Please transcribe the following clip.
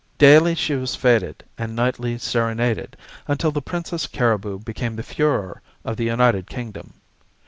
Daily she was fêted, and nightly serenaded, until the Princess Cariboo became the furore of the United Kingdom.